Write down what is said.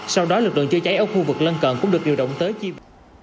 sau đó lực lượng chữa cháy ở khu vực lân cận cũng được điều động tới chi phí